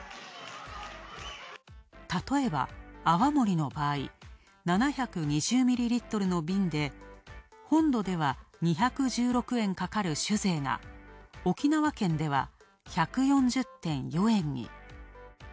例えば、泡盛の場合、７２０ｍｌの瓶で、本土では、２１６円かかる酒税が沖縄県では１４０．４円に。